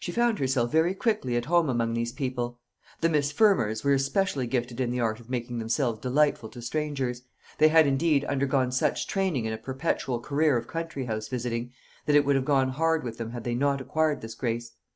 She found herself very quickly at home among these people. The Miss Fermors were especially gifted in the art of making themselves delightful to strangers; they had, indeed, undergone such training in a perpetual career of country house visiting, that it would have gone hard with them had they not acquired this grace.